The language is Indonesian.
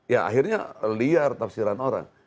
ya akhirnya liar tafsiran orang